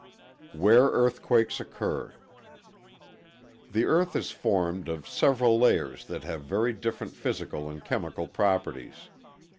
Where Earthquakes Occur The Earth is formed of several layers that have very different physical and chemical properties.